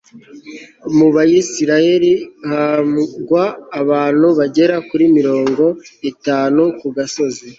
mu bayisraheli hagwa abantu bagera kuri mirongo itatu ku gasozi